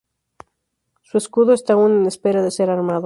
Su escudo está aún en espera de ser armado.